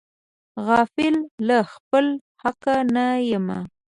غافل له خپله حقه نه یم.